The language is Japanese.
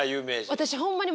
私ホンマに。